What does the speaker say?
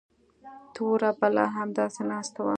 توره بلا همداسې ناسته وه.